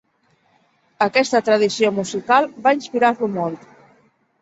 Aquesta tradició musical va inspirar-lo molt.